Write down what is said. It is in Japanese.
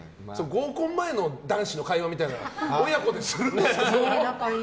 合コン前の男子の会話みたいなの親子でするんですね。